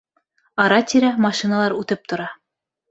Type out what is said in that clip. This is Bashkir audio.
Ара-тирә машиналар үтеп тора.